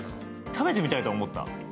食べてみたいとは思った。